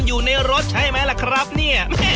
อยู่ในรถใช่ไหมล่ะครับเนี่ย